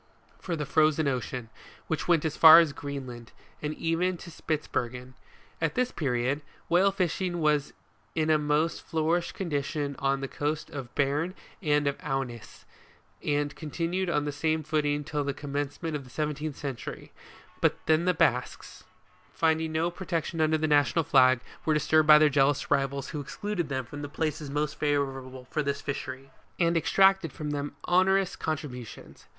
for the Frozen Ocean, which went as far as Greenland, and even to Spitzbergen. At this period, whale fishing was in a most flourishing condition on all the coast of Beam and of Aunis, and continued on the same footing till the commencement of the seventeenth century ; but then the Basques, finding no protection under their national flag, were disturbed by jealous rivals, who excluded them from the places most favourable for the fishery, and exacted from them onerous contributions.